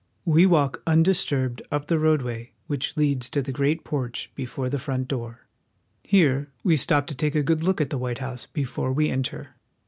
We walk undisturbed up the roadway which leads to the great porch before the front door. Here we stop to take a good look at the White House The White House. 26 WASHINGTON. before we enter.